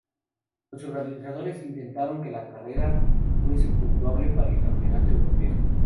Los organizadores intentaron que la carrera fuese puntuable para el Campeonato Europeo.